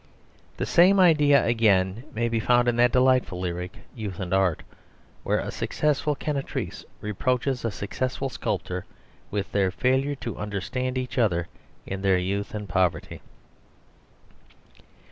The same idea again may be found in that delightful lyric "Youth and Art," where a successful cantatrice reproaches a successful sculptor with their failure to understand each other in their youth and poverty.